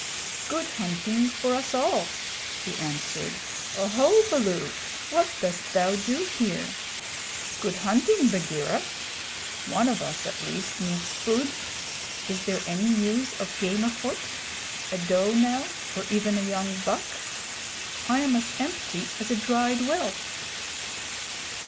"Good hunting for us all," he answered. "Oho, Baloo, what dost thou do here? Good hunting, Bagheera. One of us at least needs food. Is there any news of game afoot? A doe now, or even a young buck? I am as empty as a dried well."